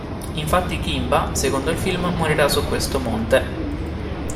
Infatti Kimba, secondo il film, morirà su questo monte